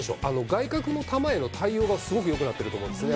外角の球への対応がすごくよくなってると思うんですね。